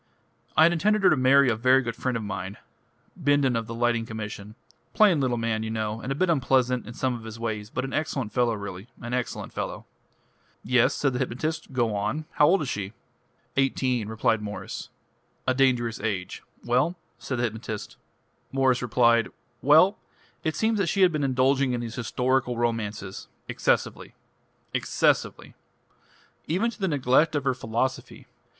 "I had intended her to marry a very good friend of mine Bindon of the Lighting Commission plain little man, you know, and a bit unpleasant in some of his ways, but an excellent fellow really an excellent fellow." "Yes," said the hypnotist, "go on. How old is she?" "Eighteen." "A dangerous age. Well?" "Well: it seems that she has been indulging in these historical romances excessively. Excessively. Even to the neglect of her philosophy.